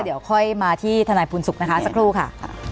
เดี๋ยวค่อยมาที่ทนายภูนสุขนะคะสักครู่ค่ะ